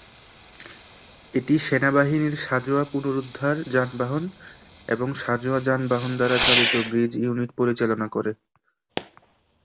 এটি সেনাবাহিনীর সাঁজোয়া পুনরুদ্ধার যানবাহন এবং সাঁজোয়া যানবাহন দ্বারা চালিত ব্রিজ ইউনিট পরিচালনা করে।